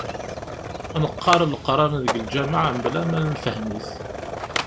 Neqqar leqran deg lǧamaɛ mebla ma nefhem-it.